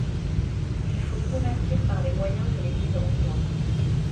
Il faut convertir par les moyens que l'Église emploie.